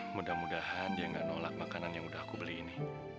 mudah mudahan dia nggak nolak makanan yang udah aku beli ini